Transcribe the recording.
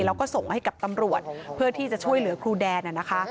แล้วก็ส่งให้กับตำรวจเพื่อที่จะช่วยเหลือครูแดนนะคะ